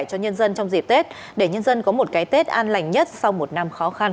cho nhân dân trong dịp tết để nhân dân có một cái tết an lành nhất sau một năm khó khăn